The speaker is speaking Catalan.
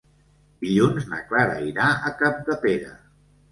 Dilluns na Clara irà a Capdepera.